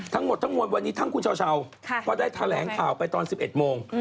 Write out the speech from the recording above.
ทั้งหมดทั้งมวลวันนี้ทั้งคุณเช้าก็ได้แถลงข่าวไปตอน๑๑โมง